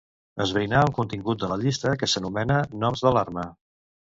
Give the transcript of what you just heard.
Esbrinar el contingut de la llista que s'anomena "noms d'alarma".